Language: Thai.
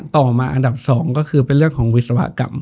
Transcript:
ต่อมาอันดับ๒ก็คือเป็นเรื่องของวิศวกรรม